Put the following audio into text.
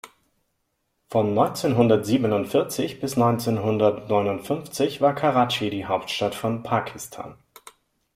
Von neunzehnhundertsiebenundvierzig bis neunzehnhundertneunundfünfzig war Karatschi die Hauptstadt von Pakistan.